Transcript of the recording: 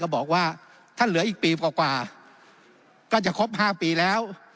บอกว่าท่านเหลืออีกปีกว่ากว่าก็จะครบห้าปีแล้ว